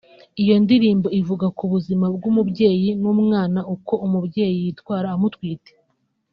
Iyo ndirimbo ivuga ku buzima bw’umubyeyi n’umwana uko umubyeyi yitwara amutwite